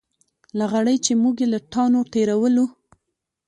لغړی چې موږ یې له تاڼو تېرولو.